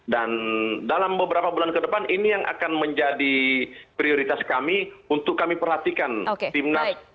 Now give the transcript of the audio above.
dan dalam beberapa bulan ke depan ini yang akan menjadi prioritas kami untuk kami perhatikan timnas